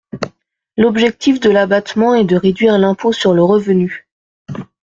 L’objectif de l’abattement est de réduire l’impôt sur le revenu.